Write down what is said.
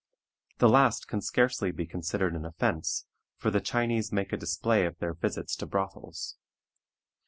The last can scarcely be considered an offense, for the Chinese make a display of their visits to brothels.